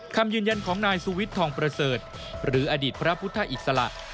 คำยืนยันของนายสุวิทย์ทองประเสริฐหรืออดีตพระพุทธอิสระ